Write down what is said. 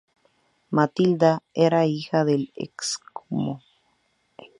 Matilda era la hija del Excmo.